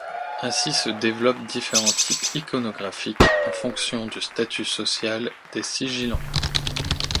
Ainsi se développent différents types iconographiques en fonction du statut social des sigillants.